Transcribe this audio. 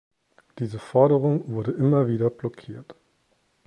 Diese Forderung wurde immer wieder blockiert.